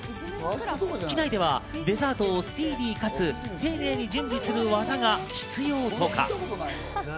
機内ではデザートをスピーディーかつ丁寧に準備する技が必要とか。